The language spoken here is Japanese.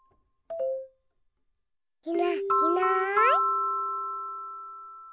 いないいない。